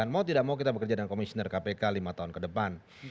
mau tidak mau kita bekerja dengan komisioner kpk lima tahun ke depan